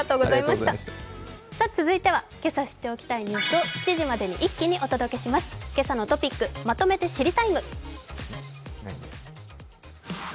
続いては今朝知っておきたいニュースを７時までに一気にお届けします、「けさのトピックまとめて知りＴＩＭＥ，」。